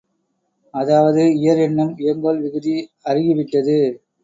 அதாவது, இயர் என்னும் வியங்கோள் விகுதி அருகி விட்டது.